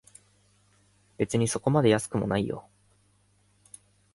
別にそこまで安くもないよ